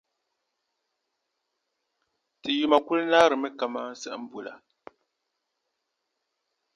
ti yuma kul naarimi kaman siɣimbu la.